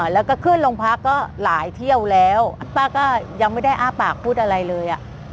แล้วก็ขึ้นโรงพักก็หลายเที่ยวแล้วป้าก็ยังไม่ได้อ้าปากพูดอะไรเลย